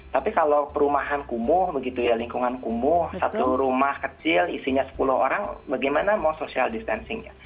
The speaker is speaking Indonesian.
tapi kalau perumahan kumuh begitu ya lingkungan kumuh satu rumah kecil isinya sepuluh orang bagaimana mau social distancingnya